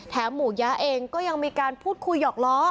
หมูยะเองก็ยังมีการพูดคุยหยอกล้อ